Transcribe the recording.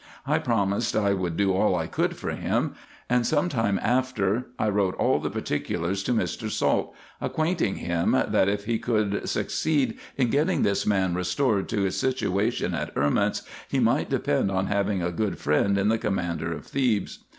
I promised I would do all I could for him ; and sometime after I wrote all the particulars to Mr. Salt, acquainting him, that, if he could succeed in getting this man restored to his situation at Erments, he might depend on having a good friend in the commander of Thebes.